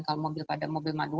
tapi kalau mobil kita metik ya sudah